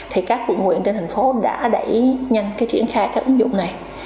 thì các quận huyện trên thành phố đã đẩy nhanh triển khai cái ứng dụng này